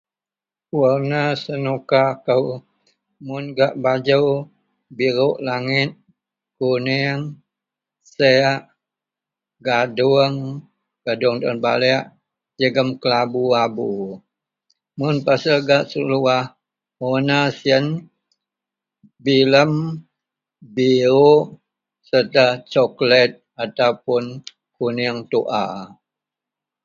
Wak isak dagen telipon ajau itou wak nisak kou ada lah wak isak sudoku. Sudoku itouidak me menguji minda telou kutan tan itou telou bak menyelesaikan jegem menyelesaikan game yen